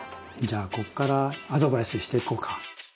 じゃあこっからアドバイスしていこうか。